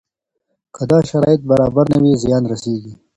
که دا شرایط برابر نه وي زیان رسېږي.